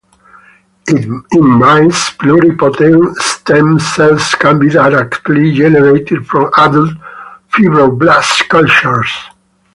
In mice, pluripotent stem cells can be directly generated from adult fibroblast cultures.